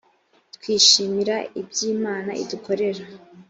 twishimira ibyimana idukorera.